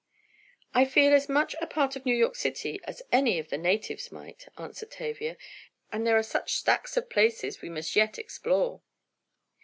"I feel as much a part of New York City as any of the natives might," answered Tavia. "And there are such stacks of places we must yet explore."